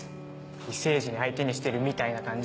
異星人相手にしてるみたいな感じ？